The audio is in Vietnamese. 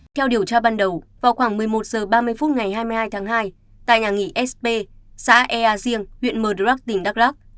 theo điều tra ban đầu vào khoảng một mươi một h ba mươi phút ngày hai mươi hai tháng hai tại nhà nghỉ sp xã ea giêng huyện mờ rắc tỉnh đắk lắc